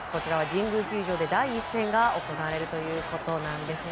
神宮球場で第１戦が行われるということです。